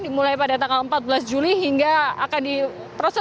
dimulai pada tanggal empat belas juli hingga akan diproses